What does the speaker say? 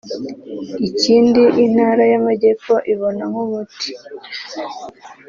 Ikindi Intara y’Amajyepfo ibona nk’umuti